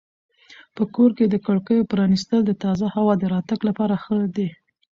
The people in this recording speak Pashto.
په کور کې د کړکیو پرانیستل د تازه هوا د راتګ لپاره ښه دي.